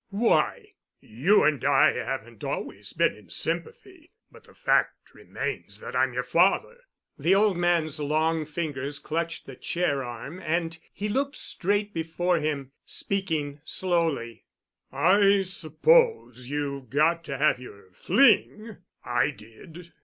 "Why? You and I haven't always been in sympathy, but the fact remains that I'm your father." The old man's long fingers clutched the chair arm, and he looked straight before him, speaking slowly. "I suppose you've got to have your fling. I did.